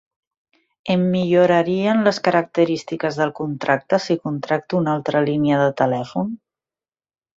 Em millorarien les característiques del contracte si contracto una altra línia de telèfon?